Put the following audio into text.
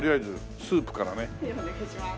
はいお願いします。